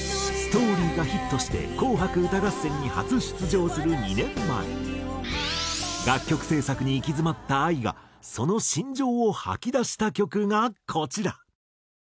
『Ｓｔｏｒｙ』がヒットして『紅白歌合戦』に初出場する２年前楽曲制作に行き詰まったＡＩがその心情を吐き出した曲がこちら。